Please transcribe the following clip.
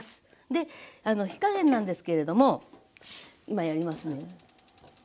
であの火加減なんですけれども今やりますね。